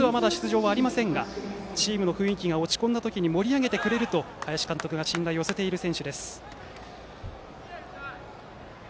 この夏、まだ出場はありませんがチームの雰囲気が落ち込んだ時盛り上げてくれると林監督が信頼を寄せる選手です。